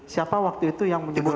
siapa waktu itu yang menyebut